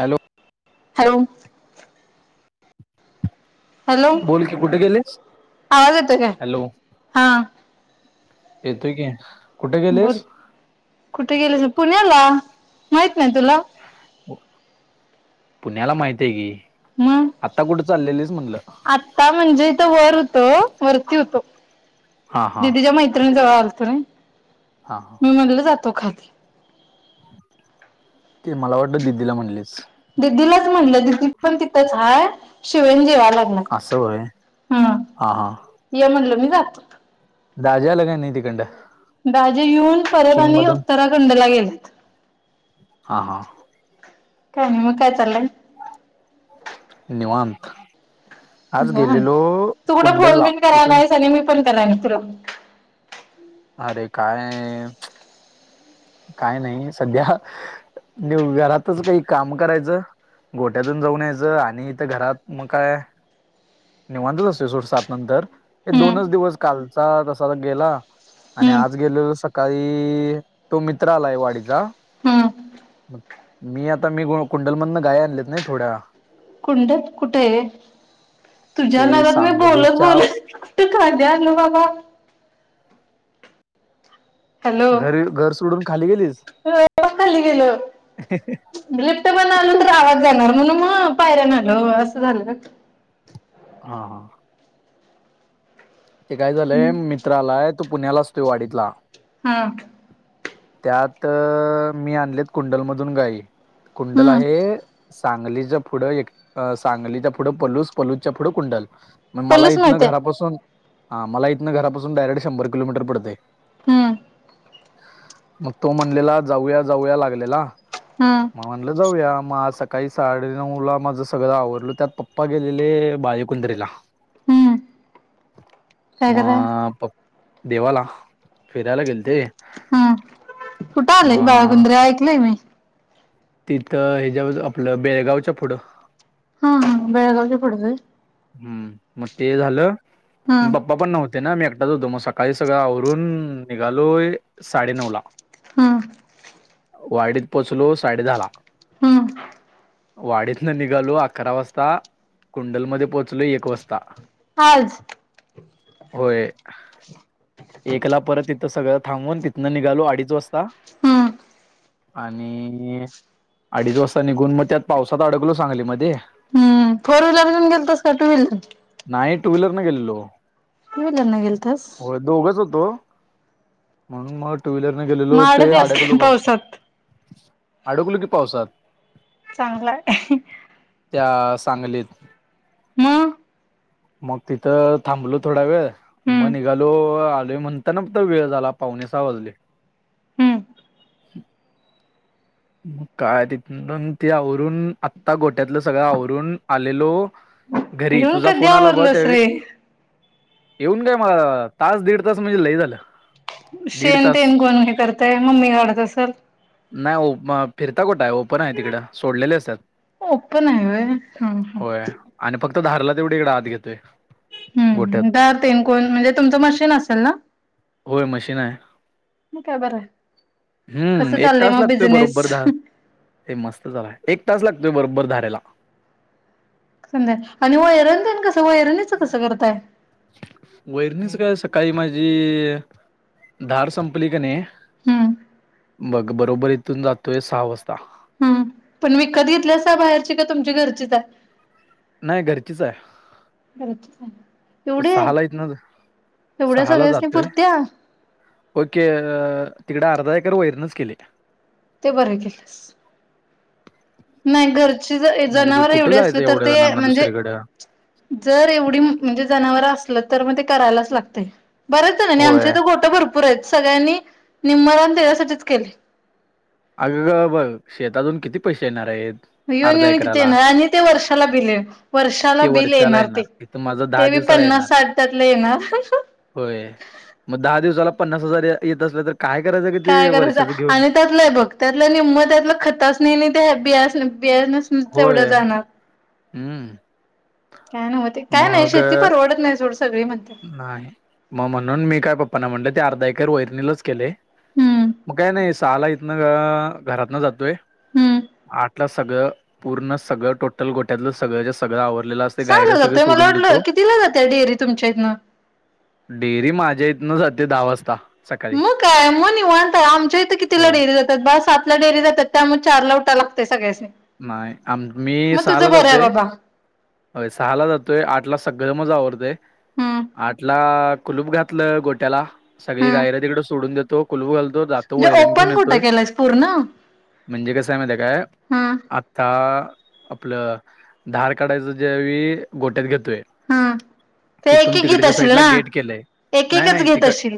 Hello hello hello बोल की, कुठे गेलीस?... आवाज येतोय काय हॅलो... हा येतोय की. कुठे गेलेस बोल, कुठे गेलीस? पुण्याला, माहित नाही तुला? पुण्याला माहित आहे की. मग, आता कुठे चाललेलीस म्हणलं आता म्हणजे, इथे वर होतो, वरती होतो. हा हा दीदीच्या मैत्रिणी जवळ आला होता ना, हा हा मी म्हणलं जातो का? [inaudible] दिदीला म्हणलीस दीदीलाच म्हटलं, दीदी पण तिथंच आहे. [inaudible] असं होय [inaudible] हं, हा हा ये म्हणलं, मी जातो. दाजी आले काय नाही तिकडनं? दाजी येऊन, परत आणि उत्तराखंडला गेलेत. हां हां.. काय नाही, मग काय चाललंय? निवांत. आज बर, गेलेलो तू कुठं फोन कुंडलला बिन इथून करायलायस? आणि मी पण करत नाही तुला. अरे काय... च काय नाही, सध्या, न-घरातच काही काम करायचं. गोठ्यातून जाऊन यायचं आणि इथं घरात मग काय. निवांतच असतोय सोड सात नंतर, हम्म दोनच दिवस, कालचा तसा तर गेला. आणि हम्म आज गेलेलो सकाळी.... तो मित्र आलाय वाडीचा. हम्म मग, मी आता, मी कुंडलमधनं गायी आणल्यात ना थोड्या. कुंडल कुठे आहे? तुझ्या ते नादात मी बोलत सांगलीच्या बोलत खाद्य आणलं बाबा. हॅलो घरी, घर सोडून खाली गेलीस. खाली गेलं लिप्ट पण आलो तर आवाात जाणार म्हण मग. पायरन आल असं झालं ना. हा हा. ते काय झालंय मित्रालाय तू पुण्यालाचतोय वाढतला हा त्यात मी आणले कुंडलमधून गाई कुंडल हम्म आहे. सांगलीचं पुढं एक सांगलीच पुढं पलूस पलूजच्या पुढं कुंडल. मग मला पल्लूच इथन माहित आहे घरापासून हा, मला इथन घरापासून डायरेक्ट शंभर किलोमीटर पडत. हम्म. मग तो म्हणलेला जाऊया जाऊया लागलेला. हम्म मग म्हणलं जाऊया मग अस. काही साडेनऊ ला माझं सगळं आवडल त्यात पप्पा गेलेले बालकुंदरीला. हम्म. काय करा मग प देवाला फिरायला गेल ते. हम् कुठे आलेय बाळगुंद्रे ऐकलय मी. तिथं हच्या आपलं बेळगावच्या पुढं. हा हा बेळगावली पडत. हम्म मग ते झालं म हम्म बाप्पा पण नव्हत. ते ना मी एकटाच होतो मग, सकाळी सगळं आवरून निघालोय साडेनऊ ला. हा. वाडीत पोचलो साडे झाला. हम्म वाडीत न निघालो अकरा वाजता कुंडलमध्येध्ये पोहोचलो एक वाजता. आज. होय. एकला परत तिथं सगळं थांबून तिथनं निघालू अडीच वाजता. हम्म आणि. अडीच वाजता निघून मग त्यात पावसात अडकलो सांगली मध्ये हम्म फोर व्हीलर येऊन गेलोस का टू व्हीलर. नाय टू विलरने केलेलो. क करन गेलतस. होतो म्हणून मग टू व्हीलरने गेलेलो मग ते अडकलास अडेकलो काय पावस. पावसात अडकल की पावसात. चांगला. त्या सांगलीत. म. मग तिथं थांबलो थोडा वेळ मग, हम्म निघालो आलो म्हणता ना वेळ झाला. पावणे सहा वाजले. हम्म काय तिथून ते आवरून आत्ता गोट्यातलं सगळं आवरून आलेलो. घरी येऊन तुझा कधी फोन आला ब आवरलंस त्यावे. रे येऊन काय मला तास दीड तास म्हणजे लय झालं. दीड सेन तास तेन कोण हे करताय मम्मी काढत असल. फिरताकोटा आहे ओपन आहे तिकडं सोडलेले असतात ओपन आहे व ह ह. होय आणि फक्त धारला तेवढ इकडे आत घेतोय गोट्यात हम् तरतेन कोण म्हणजे तुमचं मशीन असेल ना होय मशीन आहे मग काय बरं आहे कसं चाललंय मग ोय बिझनेस बरोबर धार हे मस्त झाला एक तास लागतोय बरोबर धाराला. संध्या आणि व एरण देईन कसं व एरणीचं कसं करताय वैरणीच काय सकाळी माझी धार संपली का नाही हम्म बग बरोबर इथून जातोय सहा वाजता हम्म पण विकत घेतल्यास बाहेरचे का तुमच्या घरचीच आहे नाही घरचीच आहे. बर एवढे सहाला इथनं एवढ्या सहाला सगळ्याच म जातोय पुरत्या ओके अ तिकडे अर्धा एकर वैरनच केले. ते बरं केलंस नाही घरची मग तू जनावर कुठं एवढे असले जायचं तर एवढ्या ते जणांना म्हणजे. दुसरीकडे जर एवढी म्हणजे जनावर असल. तर मग ते करायलाच लागतय बरच होय आमचे तर घोट भरपूर आहेत सगळ्यांनी निम्मा रान तण्यासाठीच केले. अगं बघ शेतातून किती पैसे येणार आहे. येऊन येऊन कि येणार आणि ते वर्षाला बिल ये वर्षाला ते बिल वर्षाला येणार ते इथं माझं दहा ते दिवसाला पन्नास येणार साठ त्यातलं आहे ना होय मग दहा दिवसाला पन्नास हजार येत असल्या तर काय करायचं कि ते काय वर्षाच करायचं घेऊन आणि त्यातलंय बघ त्यातलं नि म त्यात खतच नाही नाही ते बि बियास तेवढं होय जाणार. हम्म. काय नव्हते काय नाही मग शेती परवडत नाही सोड सगळी म्हणते नाही मग म्हणून मी काय पप्पा ना म्हणले ते अर्धा एकर वैरणीलाच केले. हम्म मग काय नाही सहाला इथन घरात न जातोय. हम्म आठलं सगळं पूर्ण सगळं टोटल गोट्यातलं सगळं ज सगळं आवड चांगलं जातोय मला वाटलं कि दिला जाते डेअरी तुमच्या इथनं. तरी माझ्या इेतं सध्या दहा वाजता. सकाळी मग काय मग निवणत आमच्या इथं कितीला होय डेअरी जातात बा सातला डेअरी जातात त्यामुळे चार ला उठावे लागतेय सगळ्याचे नाही आम मी सहाला आहे जातोय. बाबा हो सहा ला जातोय आठला सगळं मज आवरडते हम्म आठला कुलूप घातलं गोट्याला सगळी हम्म गायर तिकड सोडून देतो. कुलप घालतो जातो म्हणजे वैरण घेऊन ओपन कुठं येतोय. केलंयस पूर्ण? म्हणजे कस आहे मा काय हम्म आता. आपलं धार काढायचं ज्यावे गोठ्यात घेतोय. हम्म ते एक तिथून एक घीत तिकडच्या असशील साईडला ना गेट केलंय एक नाही एकच नाही घीत तिकड असशील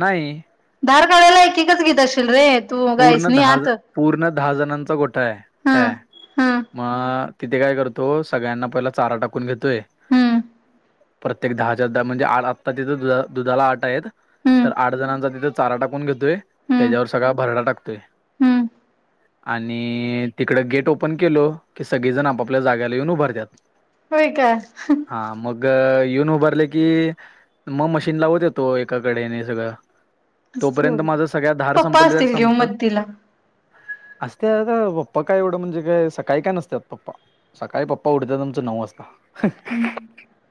नाही धार काढायला एककच घीेत असशेील रे तू गायस पूर्ण नाही दहा आत. पूर्ण दहा जणांचा गोठा आहे. हम्म काय हम्म मग तिथे काय करतो सगळ्यांना पहिला चारा टाकून घेतोय. हम्म प्रत्येक दहाच्या दहा म्हणजे आत्ता तिथं द दुधाला आट आहेत. तर हम्म आठ जणांचा तिथे चारा टाकून घेतोय हम्म त्याच्यावर सगळा भरडा टाकतोय. हम्म आणि तिकड गेट ओपन केलो की सगळे जण आपापल्या जाग्याला येऊन उभं रा होय काय? हा मग. येऊन उभारले की मग मशीन लावत येतो एकाकडे सगळं तोपर्यंत असं माझं सगळ्या धार पप्पा संपल्या असतील घेऊन संपतात. मदतीला. असते आता पप्पा काय एवढं म्हणजे काय सकाळी काय नसतात पप्पा सकाळी पप्पा पावडचा तुमचं नऊ वाजता.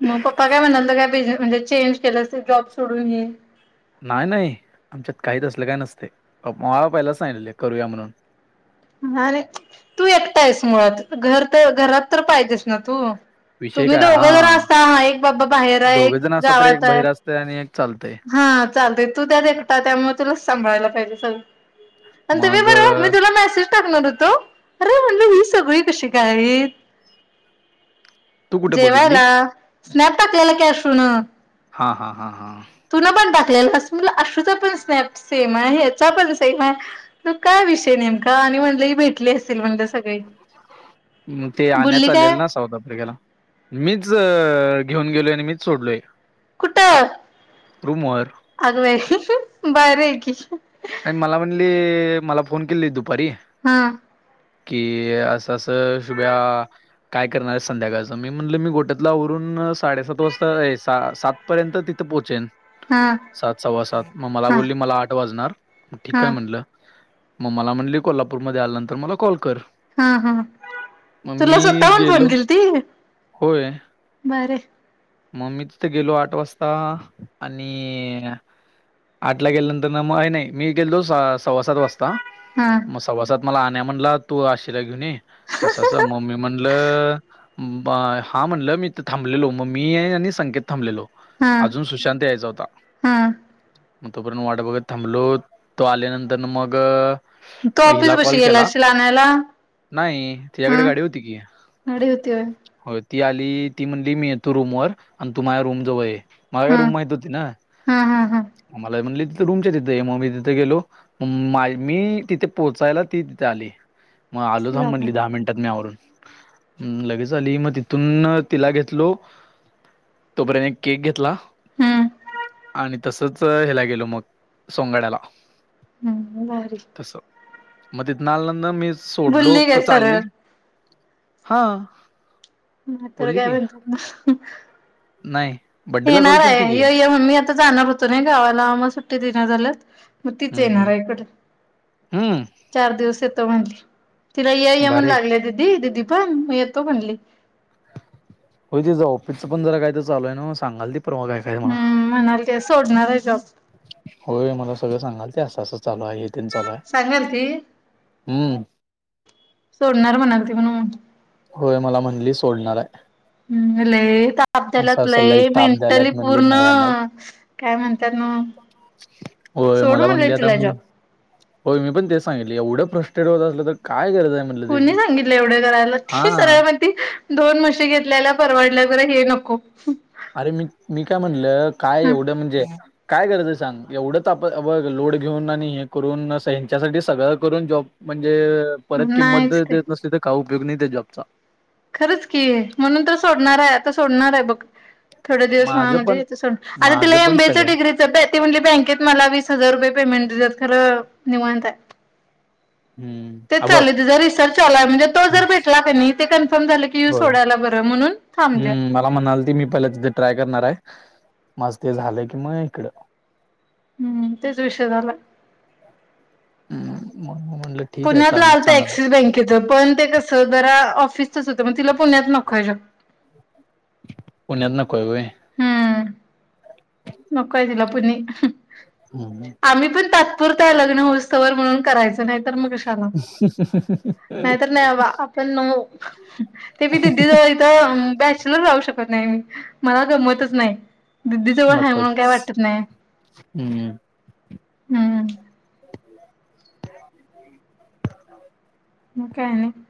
मग पप्पा काय म्हणालं काय बि म्हणजे चेंज केलं अस जॉब सोडून येई नाही नाही आमच्यात काहीच असलं काय नसते मवा पहिलाचां करूया म्हणून हा रे, तू एकटा आहेस मुळात, घर तर, घरात तर पाहिजेस ना तू विषय तुम्ही काय हा दोघं जण असता, आ एक बाबा बाहेर आहे, एक दोघे जण असतात तर गावात एक आहे बहिर असतय आणि एक चालतय हा चालते, तू त्यात एकटा, त्यामुळं तुलाचं सांभाळायला पाहिजे सगळं. आन तुमी मग बरो मी तुला मेसेज टाकणार होतो, अरे म्हणलं, ही सगळी कशी काय? तू कुठे बघितली? जेवायला स्नॅप टाकलेलं की आशूनं हा, हा, हा, हां तुला पण टाकलेल [unintelligible] आशूचा पण स्नॅप सेम आहे, ह्याचा पण सेम आहे, त काय विषय नेमका आणि म्हणलं ही भेटली असेल म्हणलं सगळी म ते आण्या बोलली काय चालेल ना साऊथ आफ्रिकेला, मीच च घेऊन गेलोय आणि मीच सोडलोय कुठं, रूमवर अगं बाय बाहेर आहे की आणि मला म्हणली, मला फोन केली दुपारी हम्म कि असं असं शुभ्या काय करणार आहे संध्याकाळचं मी म्हटलं मी घोट्यातला आवरून साडेसात वाजता सात पर्यंत पोहचेन हा सात सव्वा सात म मला हा बोलली मला आठ वाजणार हा ठीकय म्हटलं म मला म्हणली कोल्हापूरमध्ये आल्यानंतर मला कॉल कर हा ह मग तुला मी स्वतःहून फोन गेलो केलती? भारीय मम् मी तिथं गेलो आठ वाजता आणि आठला गेल्यानंतरन म नाही मी गेलो सव्वा सात वाजता हा मग सव्वा सात मला आण्या म्हणला तू आशिला घेऊन ये असं असं म मी म्हटलं ब हा म्हणलं मी थांबलेलो मग मी आणि संकेत थांबलेलो हा अजून सुशांत यायचा होता हा मग तोपर्यंत वाटा बघत थांबलो, तो आल्यानंतरन मग तो मग ऑफिस हिला बशी कॉल केला गेलाशील आणायला? नाही तिच्याकडे हा गाडी होती की गाडी होती होय होय ती आली ती म्हणली, मी येतो रूमवर आन तु माझ्या रूमजवळ ये मला काय हा रूम माहित होती ना? हा हा हा मग म्हणली तिथं रूमच्या तिथं ये, मग मी तिथे गेलो मग माय मी तिथं पोहोचायला ती तिथं आली म आलो असं थांब म्हणली, झालं दहा मिनिटात मी आवरून लगेच आली, म तिथून तिला घेतलो तोपर्यंत एक केक घेतला हम्म आणि तसंच ह्याला गेलो मग सोंगाड्याला हम्म भारी म तिथंन आल्या न मी सोडलो बोलली प काय चालली सरळ हा तर बोलली काय की म्हणतात नाही बड्डेला कॉल येणार केली ती की आहे य मम्मी आता जाणार होतो नाय गावाला म सुट्टी दीना झालेत मग तीच हम्म येणार हम्म आहे ईकडं हम्म चार दिवस येतो म्हणली तिला ये या म्हणू भारी लागले दिदी, दिदी पण म येतो म्हणली हो तिज, ऑफिसचं पण जरा काय तर चालूय हाय ना सांगालती हम्म म्हणाल ती सोडणार आहे जॉब होय मला सगळं सांगाल ती असं असं चालू आहे तेन चालू आहे सांगाल ती हम्म सोडणार म्हणाल ती म्हणून होय मला म्हणली सोडणार आहे हम्म लय आपत्यायाला असं असं लई लय ताप मेंटली द्यायलात म्हणली पूर्ण भयानक काय म्हणतात ना हो सोड मला म्हणले आता तिला जॉब हो मी पण ते सांगितले एवढं प्रस्टेड होत असलं तर काय गरज आहे म्हटलं त्याची कोणी सांगितलं एवढं करायला ती हा. सरळ माहिती दोन म्हशी घेतलेल्या परवडल्या खर हे नको अरे मी, मी काय म्हणलं काय हम्म एवढं म्हणजे काय गरज आहे सांग एवढंच आप लोड घेऊन आणि हे करून ह्यांच्यासाठी सगळं करून जॉब म्हणजे म्हणजे परत किंमत नाहीच ते देत नसली तर काय उपयोग नाही त्या जॉबचा खरंच की म्हणून तर सोडणार आहे आता सोडणार आहे बघ [unintelligible] थोड दिवस माझं म्हणजे पण आता माझं तिला पण एमबी सगळं डिग्रीच म्हणज बँकेत मला वस हजार रुपये पेमेंट तु तर खरं निवांत आहे हम्म तेच हा बघ चाल तुझ रिसर्च आलाय म्हणजे तो जर भेटला की नाही झालं की यू होय सोडायला बरं म्हणून थांबल्या हम्म मला म्हणाल त मी पहिला तिथे ट्राय करणार आहे मझ ते झालं की मग इकड हम्म तेच विषय झाला हम् पुण्यात लावत एक्सिस बँकेच पण ते कस बरा होत मग तिला पुण्यात नको पुण्यात नको होय नकोय तिला पुणे हम्म. आम्ही पण त तात पुरताय लग्न होऊस तवर म्हणून करायचं नाही तर मग कशाला ह [unintelligible] नाहीतर नाही बाबा आपण ते बी तदी जवळ इथं बॅचलर राहू शकतो नाही म मला गमतच नाही द हा म्हणून काय नकोच. वाटत नाही हम्म. हम्म न काय नाही